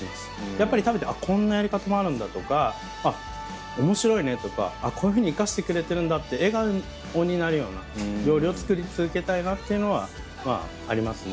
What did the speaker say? やっぱり食べて「こんなやり方もあるんだ」とか「面白いね」とか「こういうふうに生かしてくれてるんだ」って笑顔になるような料理を作り続けたいなっていうのはまぁありますね。